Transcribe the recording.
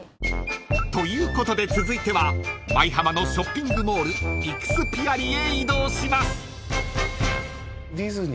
［ということで続いては舞浜のショッピングモールイクスピアリへ移動します］